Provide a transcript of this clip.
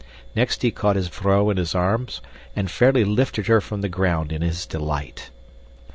Next he caught his vrouw in his arms and fairly lifted her from the ground in his delight.